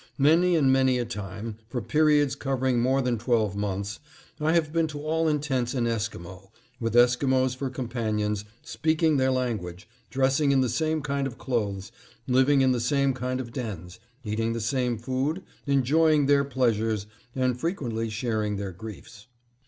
Many and many a time, for periods covering more than twelve months, I have been to all intents an Esquimo, with Esquimos for companions, speaking their language, dressing in the same kind of clothes, living in the same kind of dens, eating the same food, enjoying their pleasures, and frequently sharing their griefs.